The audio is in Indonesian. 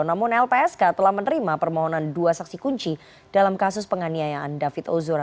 namun lpsk telah menerima permohonan dua saksi kunci dalam kasus penganiayaan david ozora